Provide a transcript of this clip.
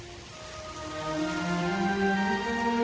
baiklah kita pergi pergi